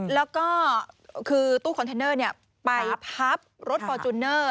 แล้วก็คือตู้คอนเทนเนอร์ไปพับรถฟอร์จูเนอร์